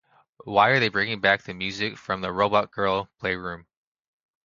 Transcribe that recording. Why are they bringing back the music from the Robot Girl Playroom?